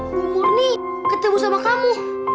ibu murni ketemu sama kamu